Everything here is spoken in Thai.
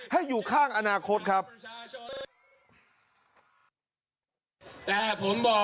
ให้อยู่ข้างอนาคตครับ